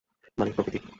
মানে, প্রকৃতি!